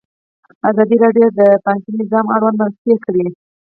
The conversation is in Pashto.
ازادي راډیو د بانکي نظام اړوند مرکې کړي.